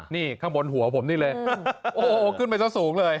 นี่ข้างบนหัวผมนี่เลยโอ้โหขึ้นไปซะสูงเลย